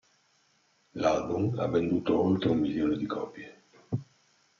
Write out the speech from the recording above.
L'album ha venduto oltre un milione di copie.